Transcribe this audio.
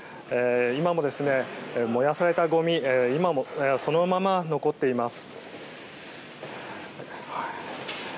今も燃やされたごみがそのまま残っています。